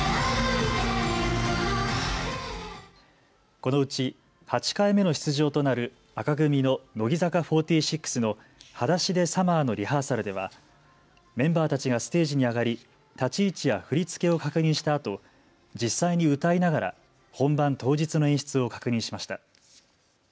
このうち８回目の出場となる紅組の乃木坂４６の裸足でＳｕｍｍｅｒのリハーサルではメンバーたちがステージに上がり、立ち位置や振り付けを確認したあと実際に歌いながら本番当日の演出を確認しました。